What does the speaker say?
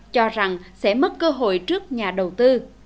cho rằng sẽ mất cơ hội trước nhà đầu tư